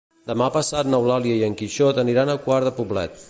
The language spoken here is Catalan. Demà passat n'Eulàlia i en Quixot aniran a Quart de Poblet.